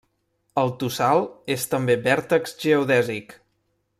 El tossal és també Vèrtex geodèsic.